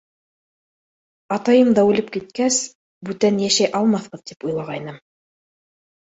Атайым да үлеп киткәс, бүтән йәшәй алмаҫбыҙ тип уйлағайным.